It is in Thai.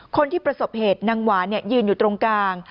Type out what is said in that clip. คนที่ประสบเหตุนางหวานยืนอยู่ตรงกลาง